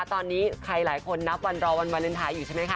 ตอนนี้ใครหลายคนนับวันรอวันวาเลนไทยอยู่ใช่ไหมคะ